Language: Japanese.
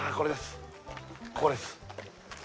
ここです